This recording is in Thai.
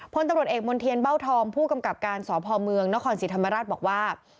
พลตำรวจเอกมณ์เทียนเบ้าทองผู้กำกับการสพเมืองนครศรีธรรมราชบอกว่า